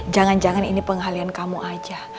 jangan jangan ini penghalian kamu aja